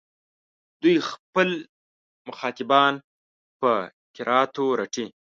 دوی خپل مخاطبان په کراتو رټي.